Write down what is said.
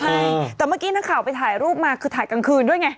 ใช่แต่เมื่อกี้นักข่าวไปถ่ายรูปมาคือถ่ายกลางคืนด้วยไง